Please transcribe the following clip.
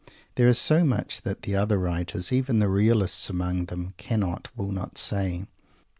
There is so much that the other writers, even the realists among them, cannot, will not, say.